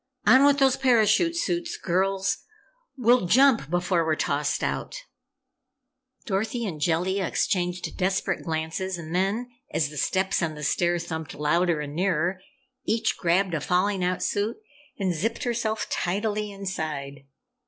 "On with those parachute suits, girls! We'll jump before we're tossed out!" Dorothy and Jellia exchanged desperate glances and then as the steps on the stair thumped louder and nearer each grabbed a falling out suit and zipped herself tidily inside.